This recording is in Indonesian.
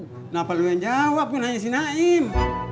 kenapa lu yang jawab punanya si naim